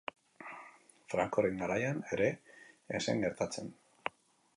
Francoren garaian ere ez zen gertatzen.